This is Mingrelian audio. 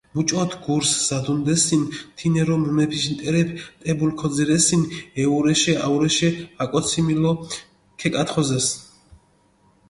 მუჭოთ გურს ზადუნდესინ თინერო მუნეფიშ ნტერეფი ნტებული ქოძირესინ, ეჸურე-აჸურეშე, აკოციმილო ქეკათხოზეს.